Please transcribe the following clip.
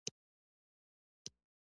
د اصولي صیب پلار سملاسي چای راوړې.